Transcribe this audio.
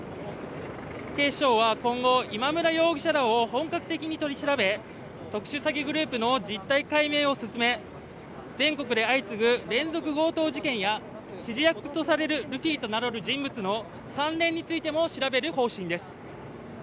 警視庁は今後今村容疑者らを本格的に取り調べ特殊詐欺グループの実態解明を進め、全国で相次ぐ連続強盗事件や指示役とされるルフィと名乗る人物の関連についても調べる方針です。